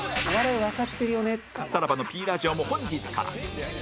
さらばの Ｐ ラジオも本日から